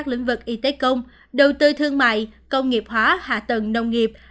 chế công đầu tư thương mại công nghiệp hóa hạ tầng nông nghiệp